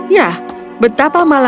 ya betapa luar biasa